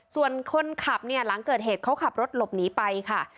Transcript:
ส่วนคนขับเนี่ยหลังเกิดเหตุเขาขับรถหลบหนีไปค่ะ